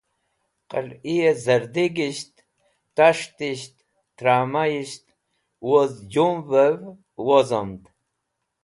Qẽlhi zardigisht, tashtisht, taramayisht, woz jumvẽv wozomd.